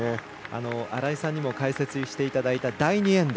新井さんにも解説していただいた第２エンド。